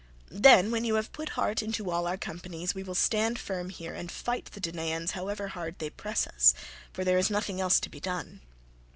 Then, when you have put heart into all our companies, we will stand firm here and fight the Danaans however hard they press us, for there is nothing else to be done.